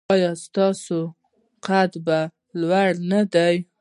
ایا ستاسو قد لوړ نه دی؟